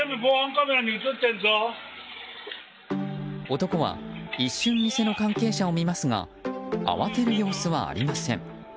男は、一瞬店の関係者を見ますが慌てる様子はありません。